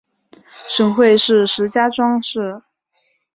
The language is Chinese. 省会是石家庄市。